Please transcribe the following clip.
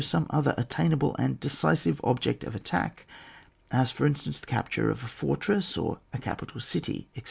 some other at tainable and decisive ohject of attack, as, for instance, the capture of a fortress or a capital city, etc.